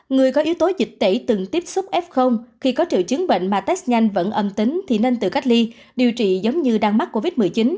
người có yếu tố dịch tễ từng tiếp xúc f khi có triệu chứng bệnh mà test nhanh vẫn âm tính thì nên tự cách ly điều trị giống như đang mắc covid một mươi chín